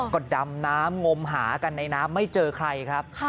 ก็ดำน้ำงมหากันในน้ำไม่เจอใครครับ